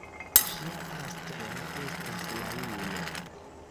Ŝia astro estas la luno.